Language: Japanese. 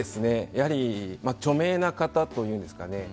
著名な方というんですかね